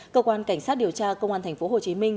cơ quan cảnh sát điều tra công an thành phố hồ chí minh